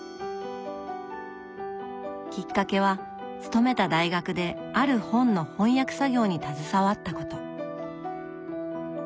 きっかけは勤めた大学である本の翻訳作業に携わったこと。